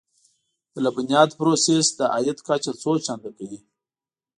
د لبنیاتو پروسس د عاید کچه څو چنده کوي.